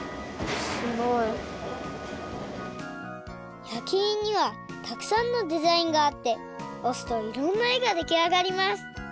すごい。やきいんにはたくさんのデザインがあっておすといろんなえができあがります